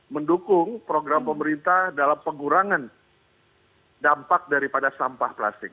mendukung program pemerintah dalam pengurangan dampak daripada sampah plastik